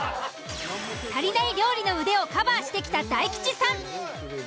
足りない料理の腕をカバーしてきた大吉さん。